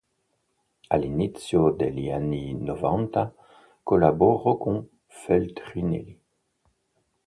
All'inizio degli anni Novanta collaborò con Feltrinelli.